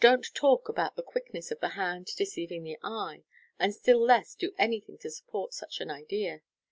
Don't talk about " the quickness of the hand deceiving the eye," and still less do anything to support such an idea.